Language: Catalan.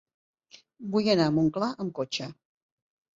Vull anar a Montclar amb cotxe.